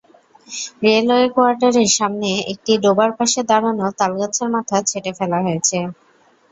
Railway কোয়ার্টারের সামনে একটি ডোবার পাশে দাঁড়ানো তালগাছের মাথা ছেঁটে ফেলা হয়েছে।